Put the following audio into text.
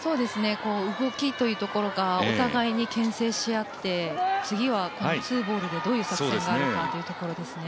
動きというところがお互いにけん制し合って次はツーボールでどういう作戦があるかというところですね。